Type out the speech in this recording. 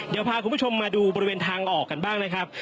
เดี๋ยวพาคุณผู้ชมมาดูบริเวณทางออกกันบ้างนะครับ